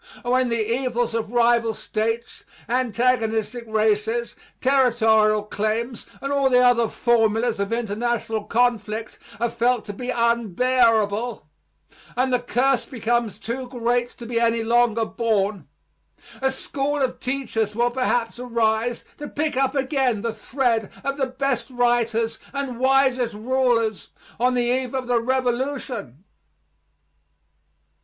When the evils of rival states, antagonistic races, territorial claims, and all the other formulas of international conflict are felt to be unbearable and the curse becomes too great to be any longer borne, a school of teachers will perhaps arise to pick up again the thread of the best writers and wisest rulers on the eve of the revolution.